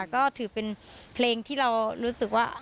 ก็ถือเป็นเพลงที่เรารู้สึกว่า